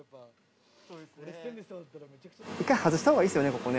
一回外した方がいいですよね？